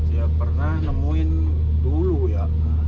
ya pernah nemuin dulu ya